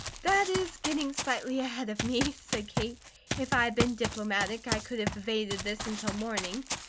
"That is getting slightly ahead of me," said Kate. "If I had been diplomatic I could have evaded this until morning.